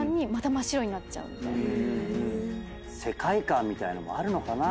世界観みたいのもあるのかな？